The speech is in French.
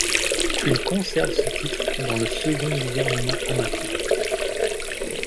Il conserve ce titre dans le second gouvernement Amato.